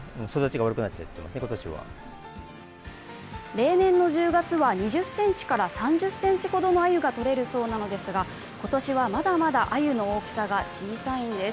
例年の１０月は２０ｃｍから３０ｃｍほどの鮎がとれるそうなんですが今年は、まだまだ鮎の大きさが小さいんです。